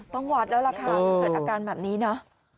วัดแล้วล่ะค่ะถ้าเกิดอาการแบบนี้นะ